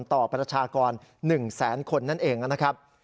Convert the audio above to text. ประชากร๑แสนคนนั่นเองนะครับ